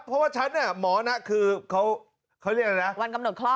เพราะว่าฉันน่ะหมอนะคือเขาเรียกอะไรนะวันกำหนดคลอด